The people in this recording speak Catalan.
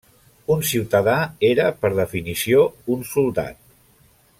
Un ciutadà era, per definició, un soldat.